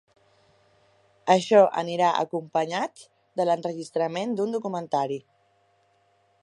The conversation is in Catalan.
Això anirà acompanyat de l’enregistrament d’un documentari.